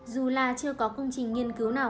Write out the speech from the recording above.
dù là chưa có công trình nghiên cứu nào